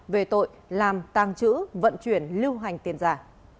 về tội làm tàng trữ vận chuyển lưu hành tiền giả